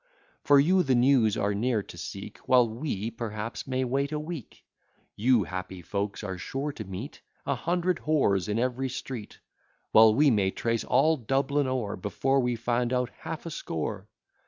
You for the news are ne'er to seek; While we, perhaps, may wait a week; You happy folks are sure to meet A hundred whores in every street; While we may trace all Dublin o'er Before we find out half a score.